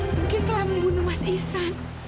mungkin telah membunuh mas isan